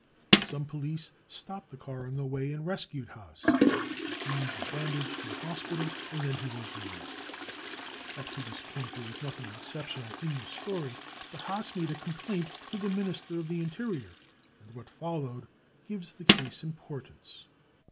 Some police stopped the car on the way, and rescued Haas. His wopnds were bandaged in hospital and then he was released. Up to this point there is nothing exceptional in this story. But Haas nlade a complaint to the Ministry of the Interior, and what followed gives the case importance.